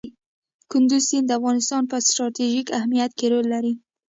کندز سیند د افغانستان په ستراتیژیک اهمیت کې رول لري.